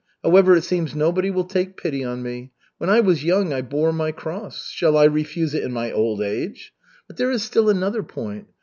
However, it seems nobody will take pity on me. When I was young I bore my cross. Shall I refuse it in my old age? But there is still another point.